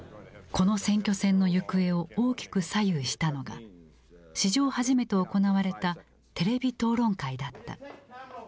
この選挙戦の行方を大きく左右したのが史上初めて行われたテレビ討論会だった。